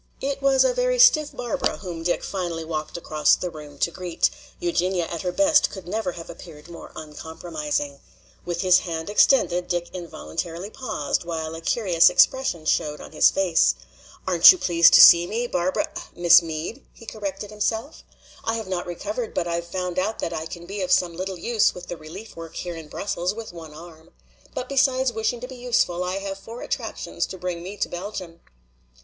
It was a very stiff Barbara whom Dick finally walked across the room to greet: Eugenia at her best could never have appeared more uncomprising. With his hand extended Dick involuntarily paused, while a curious expression showed on his face. "Aren't you pleased to see me, Barbara Miss Meade?" he corrected himself. "I have not recovered, but I've found out that I can be of some little use with the relief work here in Brussels with one arm. But besides wishing to be useful, I have four attractions to bring me to Belgium."